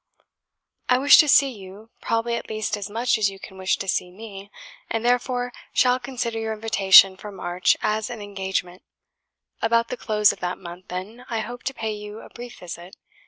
"I wish to see YOU, probably at least as much as you can wish to see ME, and therefore shall consider your invitation for March as an engagement; about the close of that month, then, I hope to pay you a brief visit.